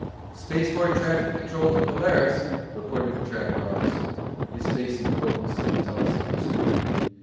"Spaceport traffic control to Polaris," reported the traffic officer, his face in focus on the teleceiver screen.